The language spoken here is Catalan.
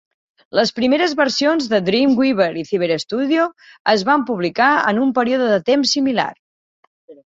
Les primeres versions de Dreamweaver i Cyberstudio es van publicar en un període de temps similar.